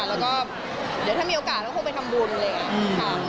แล้วก็เดี๋ยวถ้ามีโอกาสก็คงไปทำบุญเลยค่ะ